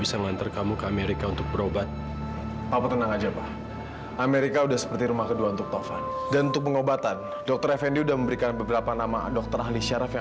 sampai jumpa di video selanjutnya